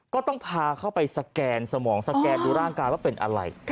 ก็ต้องพาเข้าไปสแกนสมองสแกนดูร่างกายว่าเป็นอะไร